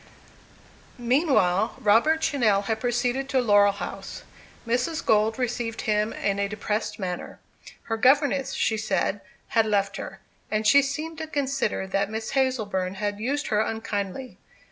Meanwhile Robert Channell had proceeded to Laurel House. Mrs. Gold received him in a depressed manner. Her governess, she said, had left her; and she seemed to consider that Miss Hazleburn had used her unkindly.